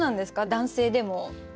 男性でも。